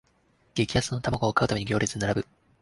激安の玉子を買うために行列に並ぶ